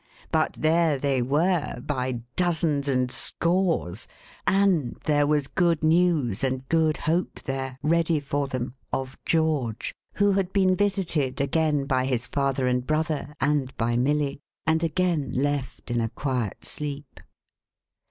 But there they were, by dozens and scores — and there was good news and good hope there, ready for them, of George, who hat! been visited again 1>\ his father and brother, and by Milly, and again left in a quiet sleep.